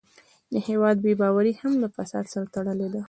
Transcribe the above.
د هېواد بې باوري هم له فساد سره تړلې ده.